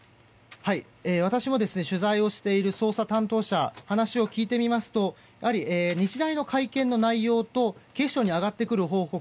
私も取材をしている捜査担当者に話を聞いてみますとやはり日大の会見の内容と警視庁に上がってくる報告